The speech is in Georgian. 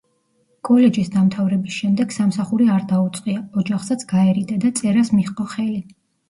კოლეჯის დამთავრების შემდეგ სამსახური არ დაუწყია, ოჯახსაც გაერიდა და წერას მიჰყო ხელი.